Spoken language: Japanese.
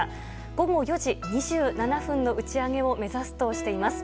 午後４時２７分の打ち上げを目指すとしています。